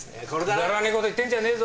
くだらねえこと言ってんじゃねえぞ。